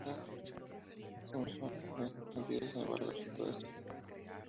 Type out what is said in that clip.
Su moción en este sentido, sin embargo, resultó rechazada.